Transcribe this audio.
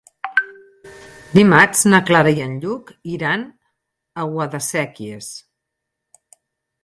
Dimarts na Clara i en Lluc iran a Guadasséquies.